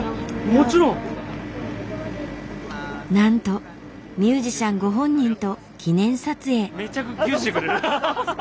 なんとミュージシャンご本人と記念撮影。